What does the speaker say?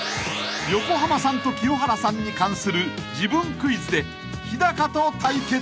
［横浜さんと清原さんに関する自分クイズでヒダカと対決］